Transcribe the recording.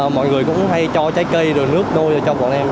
mọi người cũng hay cho trái cây rồi nước đôi cho bọn em